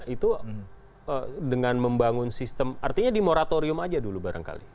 itu dengan membangun sistem artinya di moratorium aja dulu barangkali